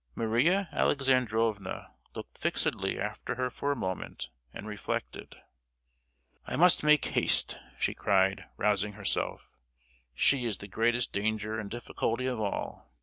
Maria Alexandrovna looked fixedly after her for a moment, and reflected. "I must make haste," she cried, rousing herself; "she is the greatest danger and difficulty of all!